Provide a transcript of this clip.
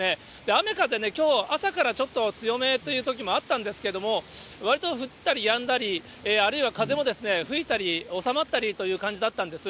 雨風ね、きょう朝からちょっと強めというときもあったんですけれども、わりと降ったりやんだり、あるいは風も吹いたり収まったりという感じだったんです。